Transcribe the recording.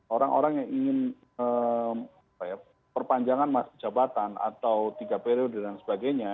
orang orang yang ingin perpanjangan masa jabatan atau tiga periode dan sebagainya